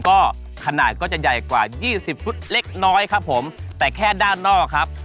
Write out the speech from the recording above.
ก็ขนาดก็จะใหญ่กว่ายี่สิบชุดเล็กน้อยครับผมแต่แค่ด้านนอกครับ